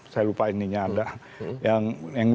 saya lupa ininya ada